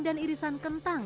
dan irisan kentang